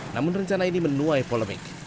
namun rencana ini menuai polemik